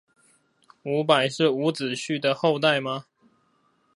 伍佰是伍子胥的後代嗎？